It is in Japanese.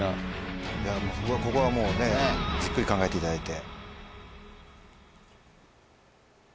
ここはもうねじっくり考えていただいて。